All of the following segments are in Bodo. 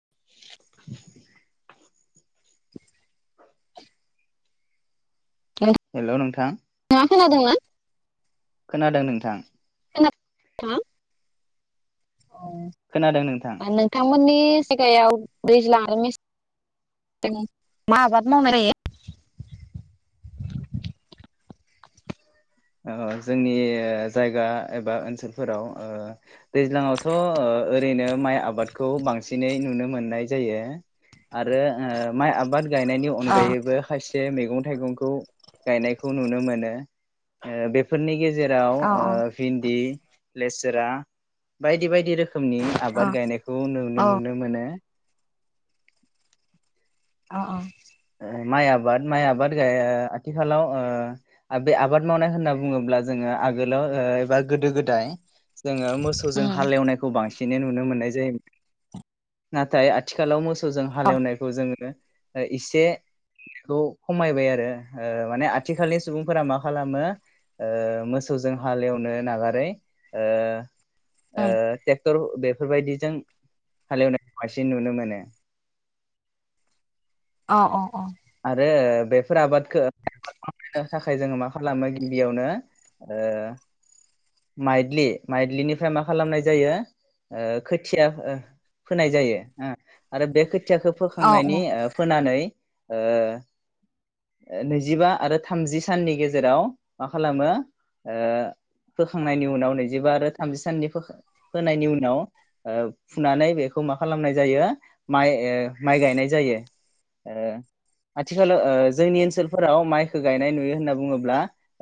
[inaudible] हेल' नोंथां [unintelligible] थाङा खोनादोंंना? खोनादों नोंथां। [unintelligible] खोनादों नोंथां ओ नोंथांमोननि सिगायाव दैज्लां आरो [unintelligible] मा आबाद मावनाय जायो? ओ जोंनि जायगा एबा ओनसोलफोराव ओ दैज्लाङावथ' ओ ओरैनो माइ आबादखौ बांसिनै नुनो मोननाय जायो आरो ओ माइ आबाद गायनायनि अ अनगायैबो खायसे मैगं थाइगंखौ गायनायखौ नुनो मोनो ओ बेफोरनि गेजेरा [unintelligible] अ ओ भिन्दि लेसरा बायदि बायदि रोखोम रोखोमनि अ आबाद गायनायखौ नु अ नुनो मोनो। अ अ ओ माइ आबाद माइ आबाद गाया आथिखालाव ओ बे आबाद मावनाय होनना बुङोब्ला जोङो आगोलाव ओ एबा गोदो गोदाय जोङो मोसौजों हालेवनायखौ बांसिन [unintelligible] नुनो मोननाय जायोमोन नाथाय आथिखालाव मोस सौजों हालेवनायखौ जोङो [unintelligible] इसेखौ खमायबाय आरो माने आथिखालनि सुबुंफोरा मा खालामो ओ मोसौजों हालेवनो नागारै ओ ओ [unintelligible] [unintelligible] बेफोरबायदिजों हालेवनायखौ बांसिन नुनो मोनो। अ अ अ। आरो बेफोर आबादखौ आबाद खालामनो थाखाय जोङो मा खालामो गिबियावनो माइदलि माइदलिनिफ्राय मा खालामनाय जायो खोथिया फोनाय जायो आरो बे [unintelligible] खोथियाखौ अ फोखांनायनि अ फोनानै ओ नैजिबा आरो थामजि साननि गेजेराव मा खालामो ओ फोखांनायनि उनाव नैजिबा आरो थामजि साननि फोनायनि उनाव फुनानै बेखौ मा खालामनाय जायो माइ ओ माइ गायनाय जायो ओ । आथिखालाव ओ जोंनि ओनसोलफोराव माइखौ गायनाय नुयो होनना बुङोब्ला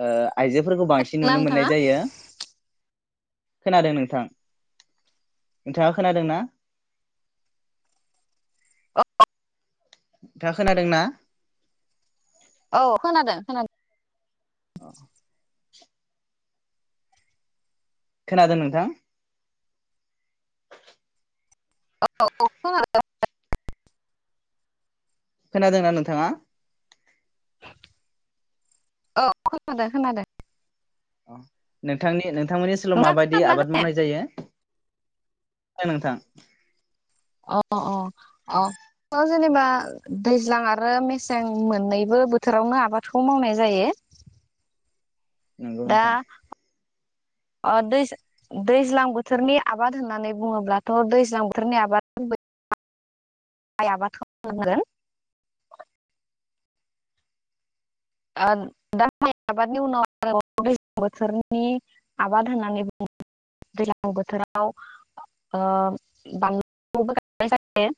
ओ आइजोफोरखौ बांसिन ना नुनो मोननाय नोंथाङा? जायो । खोनादों नोंथां नोंथाङा खोनादों ना? अ। नोंथाङा खोनादोंना? औ खोनादों खोनादों। खोनादों नोंथां? औ। खोनादोंना नोंथाङा? औ खोनादों खोनादों। नोंथांनि नोंथां नोंथांमोननि ओसोलाव नोंथाङा माबायदि खोनादोंना आबाद खोनाया? मावनाय जायो? नोंथां अ अ अ। जेनेबा दैज्लां आरो मेसें मोननैबो बोथोरावनो आबादखौ मावनाय जायो। नंगौ नोंथां। अ दै -दैज्लां बोथोरनि आबाद होननानै बुङोब्लाथ' दैज्लां बोथोरनि आबाद माइ आबाद [unintelligible] ओ दा आबादनि उनाव आरोबाव दैज्लां बोथोरनि आबाद होननानै बुङोब्ला दैज्लां बोथोराव ओ बानलुखौबो गायनाय जायो।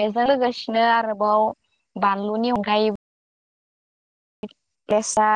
बेजों लोगोसेनो आरोबाव बानलुनि अनगायै केेसा